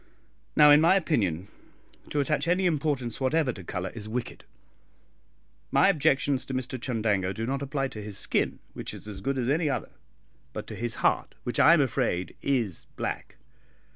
Now, in my opinion, to attach any importance whatever to colour is wicked. My objections to Mr Chundango do not apply to his skin, which is as good as any other, but to his heart, which I am afraid is black.